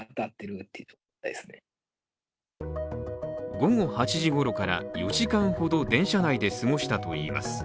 午後８時ごろから４時間ほど電車内で過ごしたといいます。